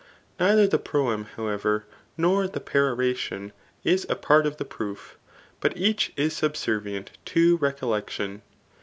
Neither the proem, however, nor the peroration is a part of the proof ; but each is sulv servient to recollection.